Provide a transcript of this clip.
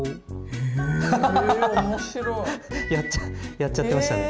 やっちゃってましたね。